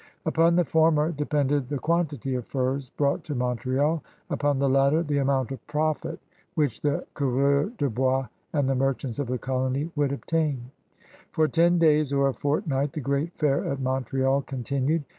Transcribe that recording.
Upon the former depended the quantity of furs brought to Montreal; upon the latter, the amoimt of profit which the coureurs THE COUREURS DE BOIS 171 de'hois and the merchants of the colony would obtain. For ten days or a fortnight the great fair at Montreal continued.